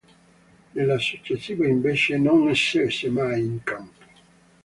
Nella successiva invece non scese mai in campo.